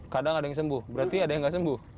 kadang ada yang sembuh berarti ada yang nggak sembuh